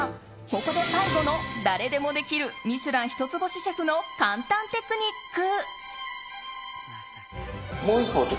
ここで最後の誰でもできる「ミシュラン」一つ星シェフの簡単テクニック。